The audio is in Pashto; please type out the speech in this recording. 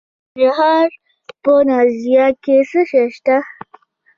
د ننګرهار په نازیانو کې څه شی شته؟